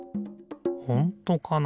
ほんとかな？